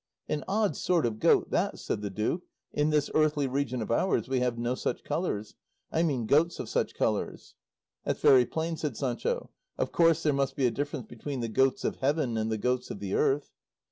"An odd sort of goat, that," said the duke; "in this earthly region of ours we have no such colours; I mean goats of such colours." "That's very plain," said Sancho; "of course there must be a difference between the goats of heaven and the goats of the earth."